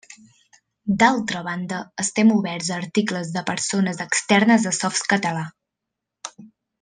D'altra banda, estem oberts a articles de persones externes a Softcatalà.